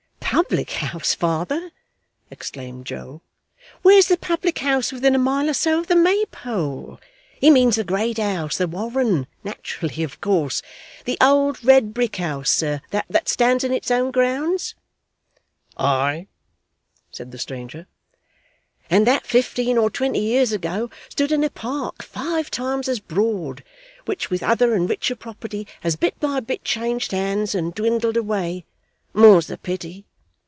'Public house, father!' exclaimed Joe, 'where's the public house within a mile or so of the Maypole? He means the great house the Warren naturally and of course. The old red brick house, sir, that stands in its own grounds ?' 'Aye,' said the stranger. 'And that fifteen or twenty years ago stood in a park five times as broad, which with other and richer property has bit by bit changed hands and dwindled away more's the pity!